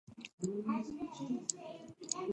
ازادي راډیو د سیاست په اړه د راتلونکي هیلې څرګندې کړې.